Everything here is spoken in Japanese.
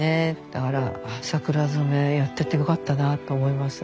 だから桜染めやっててよかったなと思います。